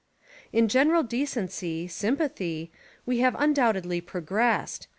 In general decency — sympathy — we have un doubtedly progressed.